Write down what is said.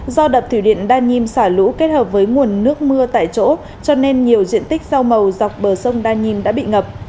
do đập thủy điện đa nhiêm xả lũ kết hợp với nguồn nước mưa tại chỗ cho nên nhiều diện tích rau màu dọc bờ sông đa nhiêm đã bị ngập